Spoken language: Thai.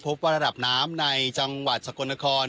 พบว่าระดับน้ำในจังหวัดสกลนคร